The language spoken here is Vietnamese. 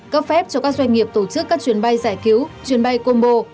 cấp phép cho các doanh nghiệp tổ chức các chuyến bay giải cứu chuyến bay combo